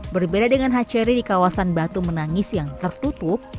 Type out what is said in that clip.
berbeda dengan hatchery di kawasan batu menangis yang tertutup